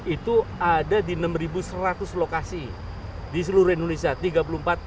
itu ada di enam seratus lokasi di seluruh indonesia